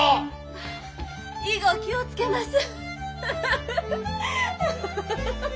以後気を付けます。